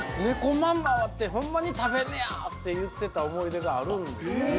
「ネコまんまってホンマに食べんねや！」って言ってた思い出があるんです。